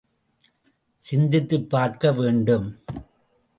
சிந்தித்துப் பார்க்க வேண்டும்.